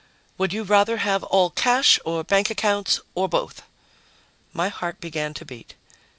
"Would you rather have all cash or bank accounts or both?" My heart began to beat.